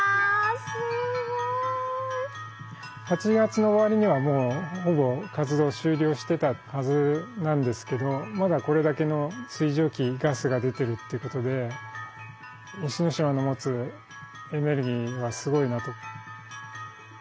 すごい！８月の終わりにはもうほぼ活動終了してたはずなんですけどまだこれだけの水蒸気ガスが出てるっていうことで西之島の持つエネルギーはすごいなと。